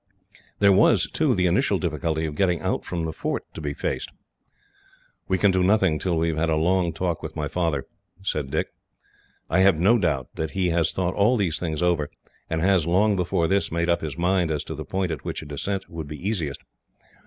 There was, too, the initial difficulty of getting out from the fort to be faced. "We can do nothing, till we have had a long talk with my father," Dick said. "I have no doubt that he has thought all these things over, and has, long before this, made up his mind as to the point at which a descent would be easiest.